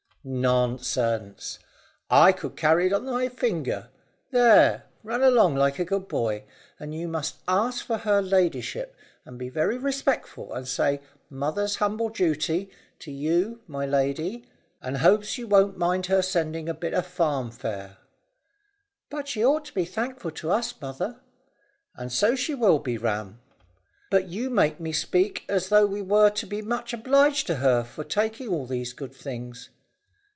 "Nonsense! I could carry it on my finger; there, run along like a good boy, and you must ask for her ladyship, and be very respectful, and say, Mother's humble duty to you, my lady, and hopes you won't mind her sending a bit o' farm fare." "But she ought to be thankful to us, mother?" "And so she will be, Ram?" "But you make me speak as though we were to be much obliged to her for taking all these good things."